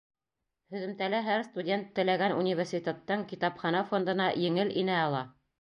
Һөҙөмтәлә һәр студент теләгән университеттың китапхана фондына еңел инә ала.